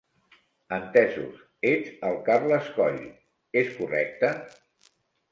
Entesos, ets el Carles Coll, és correcte?